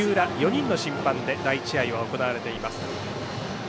４人の審判で第１試合は行われています。